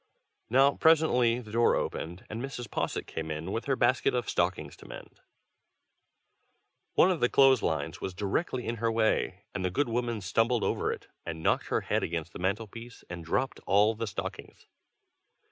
Now presently the door opened, and Mrs. Posset came in, with her basket of stockings to mend. One of the clothes lines was directly in her way, and the good woman stumbled over it, and knocked her head against the mantel piece and dropped all the stockings.